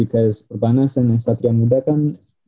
karena perbanas dan satria mudakan